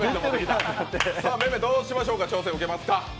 めめどうしましょうか挑戦受けますか？